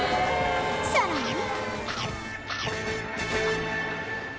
さらに